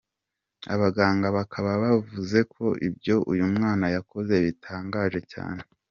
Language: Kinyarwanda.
Abaganga bakaba bavuze ko ibyo uyu mwana yakoze bitangaje cyane.